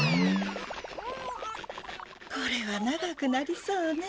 これは長くなりそうね。